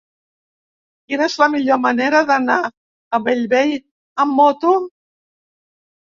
Quina és la millor manera d'anar a Bellvei amb moto?